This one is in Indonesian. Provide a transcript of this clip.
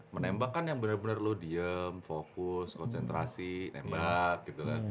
menembak kan yang bener bener lo diem fokus koncentrasi nembak gitu kan